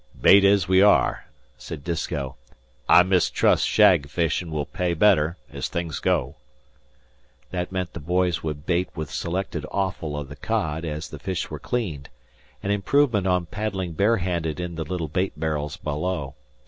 "Bait ez we are," said Disko. "I mistrust shag fishin' will pay better, ez things go." That meant the boys would bait with selected offal of the cod as the fish were cleaned an improvement on paddling bare handed in the little bait barrels below.